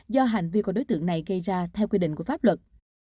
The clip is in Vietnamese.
do hành vi của đối tượng này gây ra theo quy định của pháp luật